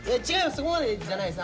そこまでじゃないです。